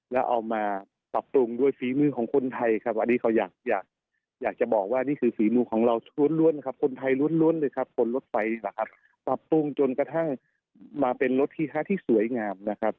แล้วเอามาปรับปรุงด้วยฝีมือของคนไทยครับอันนี้เขาอยากอยากจะบอกว่านี่คือฝีมือของเราล้วนครับคนไทยล้วนเลยครับคนรถไฟนะครับปรับปรุงจนกระทั่งมาเป็นรถฮีฮะที่สวยงามนะครับ